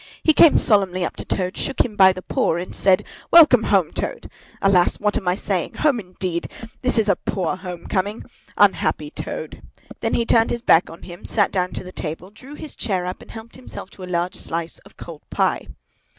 He came solemnly up to Toad, shook him by the paw, and said, "Welcome home, Toad! Alas! what am I saying? Home, indeed! This is a poor home coming. Unhappy Toad!" Then he turned his back on him, sat down to the table, drew his chair up, and helped himself to a large slice of cold pie.